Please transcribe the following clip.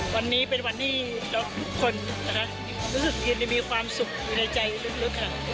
วันนี้เป็นวันนี้แล้วทุกคนรู้สึกยินดีมีความสุขมีในใจลึกค่ะ